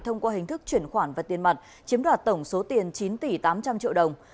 thông qua hình thức chuyển khoản và tiền mặt chiếm đoạt tổng số tiền chín tỷ tám trăm linh triệu đồng